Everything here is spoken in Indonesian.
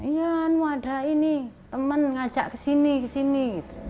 iya no ada ini teman ngajak kesini kesini